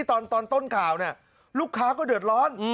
ตอนต้นข่าวเนี่ยลูกค้าก็เดือดร้อน